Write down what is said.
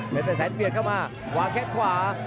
เพชรแสนเปลี่ยนเข้ามาวางแค่ขวา